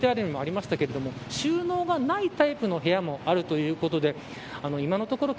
ただ、中にはＶＴＲにもありましたように収納がないタイプの部屋もあるということです。